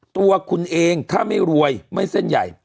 ตัวคุณเองถ้าไม่รวยไม่เส้นใหญ่